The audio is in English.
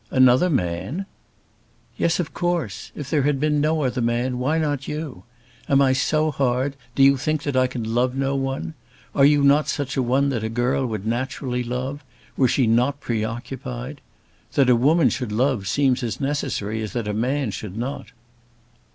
"Another man!" "Yes; of course. If there had been no other man, why not you? Am I so hard, do you think that I can love no one? Are you not such a one that a girl would naturally love, were she not preoccupied? That a woman should love seems as necessary as that a man should not."